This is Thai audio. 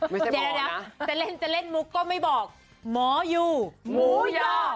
เดี๋ยวจะเล่นกก็ไม่บอกหมอยู่หมูย่อ